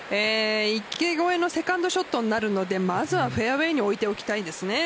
池越えのセカンドショットになるのでまずはフェアウェイに置いておきたいですね。